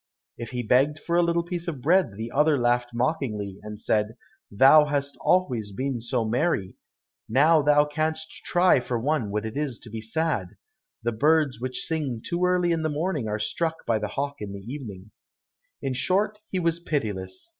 If he begged for a little piece of bread the other laughed mockingly, and said, "Thou hast always been so merry, now thou canst try for once what it is to be sad: the birds which sing too early in the morning are struck by the hawk in the evening," In short he was pitiless.